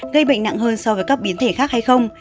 gây bệnh nặng hơn so với các biến thể khác hay không